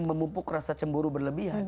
memumpuk rasa cemburu berlebihan